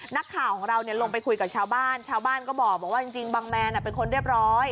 นักข่าวของเราลงไปคุยกับชาวบ้านชาวบ้านก็บอกว่าจริงบังแมนเป็นคนเรียบร้อย